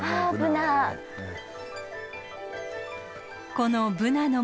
このブナの森